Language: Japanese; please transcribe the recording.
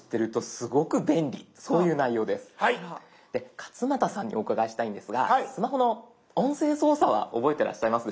勝俣さんにお伺いしたいんですがスマホの音声操作は覚えてらっしゃいますでしょうか？